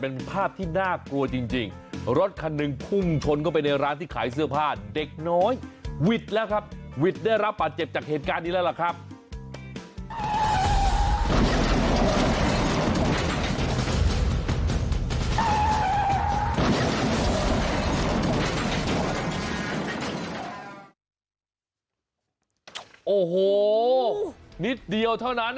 โอ้โหนิดเดียวเท่านั้น